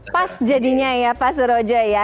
pas jadinya ya pas rojo ya